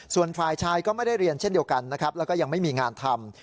ส่วนฝ่ายชายก็ไม่ได้เรียนเช่นเดียวกันนะครับแล้วก็ยังไม่มีงานทำ